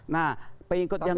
nah pengikut yang